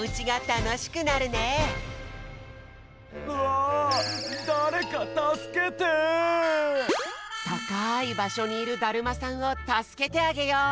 たかいばしょにいるだるまさんをたすけてあげよう！